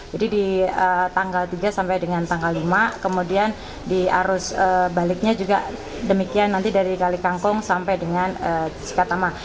jadi di tanggal tiga sampai dengan tanggal lima kemudian di arus baliknya juga demikian nanti dari kali kangkung sampai dengan cikatama